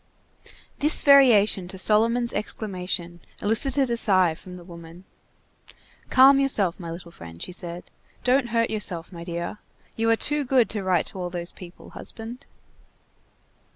This variation to Solomon's exclamation elicited a sigh from the woman. "Calm yourself, my little friend," she said. "Don't hurt yourself, my dear. You are too good to write to all those people, husband."